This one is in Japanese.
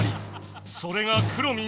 それがくろミン